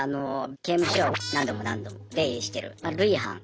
刑務所を何度も何度も出入りしてる「累犯」。